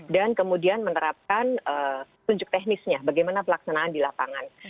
dan kemudian menerapkan kunjuk teknisnya bagaimana pelaksanaan di lapangan